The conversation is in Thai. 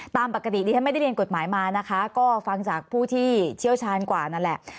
ตามปกติดิฉันไม่ได้เรียนกฎหมายมานะคะก็ฟังจากผู้ที่เชี่ยวชาญกว่านั่นแหละ